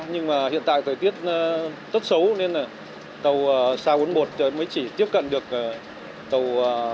nhưng mà hiện tại thời tiết rất xấu nên là tàu sa bốn mươi một mới chỉ tiếp cận được tàu